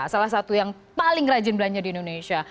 salah satu yang paling rajin belanja di indonesia